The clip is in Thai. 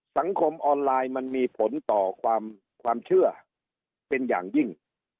สังคมออนไลน์มันมีผลต่อความเชื่อเป็นอย่างยิ่ง